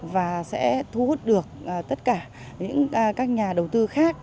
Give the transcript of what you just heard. và sẽ thu hút được tất cả những các nhà đầu tư khác